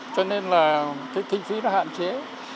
cho nên là cái kinh phí nó hạn chế